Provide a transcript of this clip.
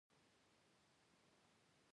تارڼ اوبښتکۍ د مڼو باغونه لري.